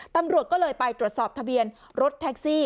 ตำรวจก็เลยไปตรวจสอบทะเบียนรถแท็กซี่